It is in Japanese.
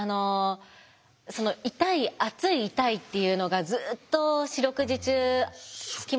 その痛い熱い痛いっていうのがずっと四六時中付きまとっていたので。